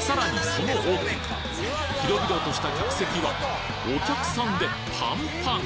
その奥広々とした客席はお客さんでパンパン！